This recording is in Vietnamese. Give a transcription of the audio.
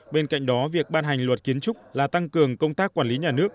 bên cạnh đó việc ban hành luật kiến trúc là tăng cường công tác quản lý nhà nước